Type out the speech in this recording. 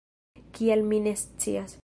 Kial mi ne scias.